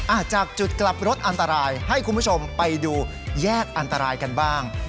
จากจุดกลับรถอันตรายให้คุณผู้ชมไปดูแยกอันตรายกันบ้าง